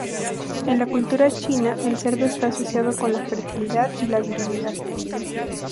En la cultura china, el cerdo está asociado con la fertilidad y la virilidad.